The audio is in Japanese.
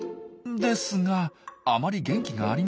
ですがあまり元気がありません。